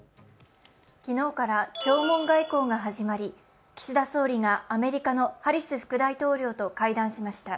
昨日から弔問外交が始まり岸田総理がアメリカのハリス副大統領と会談しました。